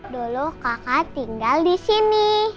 dulu kakak tinggal disini